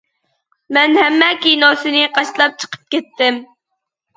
مەن ھەممە كىنوسىنى قاچىلاپ چىقىپ كەتتىم.